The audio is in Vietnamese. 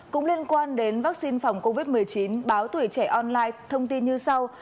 cũng liên quan đến vaccine phòng covid một mươi chín báo tuổi trẻ online thông tin như sau